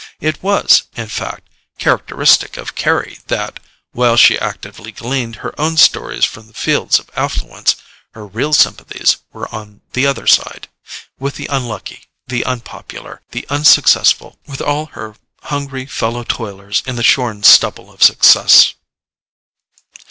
It was, in fact, characteristic of Carry that, while she actively gleaned her own stores from the fields of affluence, her real sympathies were on the other side—with the unlucky, the unpopular, the unsuccessful, with all her hungry fellow toilers in the shorn stubble of success.